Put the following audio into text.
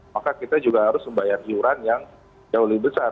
maka kita juga harus membayar iuran yang jauh lebih besar